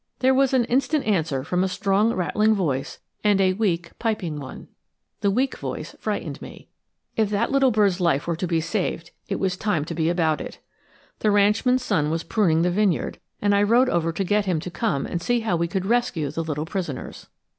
There was an instant answer from a strong rattling voice and a weak piping one. The weak voice frightened me. If that little bird's life were to be saved, it was time to be about it. The ranchman's son was pruning the vineyard, and I rode over to get him to come and see how we could rescue the little prisoners.